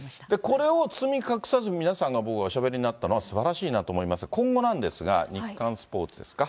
これを包み隠さず、皆さんが僕はおしゃべりになったのは、すばらしいなと思いますが、今後なんですが、日刊スポーツですか。